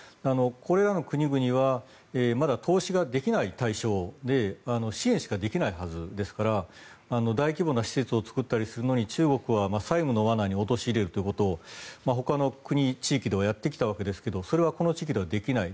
これらの国々はまだ投資ができない対象で支援しかできないはずですから大規模な施設を作ったりするのに中国は債務の罠に陥れるということをほかの国、地域ではやってきたわけですがそれはこの地域ではできない。